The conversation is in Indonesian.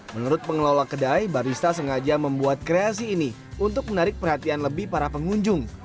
menurut pengelola kedai barista sengaja membuat kreasi ini untuk menarik perhatian lebih para pengunjung